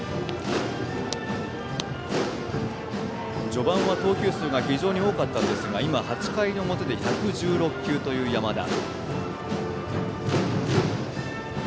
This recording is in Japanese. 序盤は投球数が非常に多かったんですが今、８回の表で１１６球、山田。